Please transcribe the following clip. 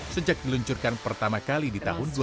sejak diluncurkan pertama kali di tahun dua ribu